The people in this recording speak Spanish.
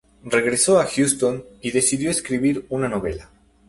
Regreso a Huston y decidió escribir una novela.